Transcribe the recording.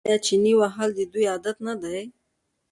آیا چنې وهل د دوی عادت نه دی؟